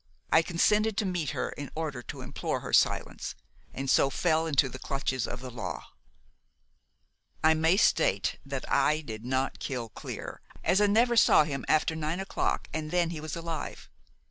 I consented to meet her in order to implore her silence, and so fell into the clutches of the law. "I may state that I did not kill Clear, as I never saw him after nine o'clock, and then he was alive.